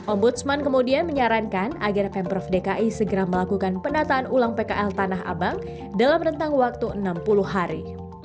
ombudsman kemudian menyarankan agar pemprov dki segera melakukan penataan ulang pkl tanah abang dalam rentang waktu enam puluh hari